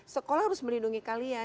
sekolah harus melindungi kalian